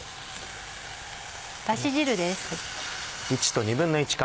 だし汁です。